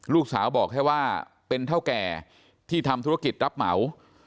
ลูกสาวบอกแค่ว่าเป็นเท่าแก่ที่ทำธุรกิจรับเหมา